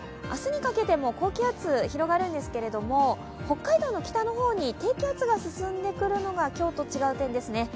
明日にかけても高気圧、広がるんですけど北海道の北の方に、低気圧が進んでくるのが今日と違う点ですね。